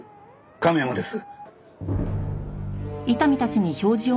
亀山です。